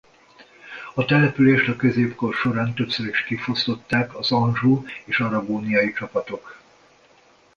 A települést a középkor során többször is kifosztották az Anjou- és aragóniai csapatok.